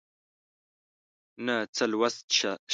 نه څه لوست شته